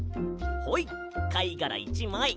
はいかいがら１まい！